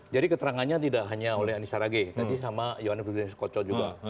jadi keterangannya tidak hanya oleh eni saragi tadi sama yohannes kocok juga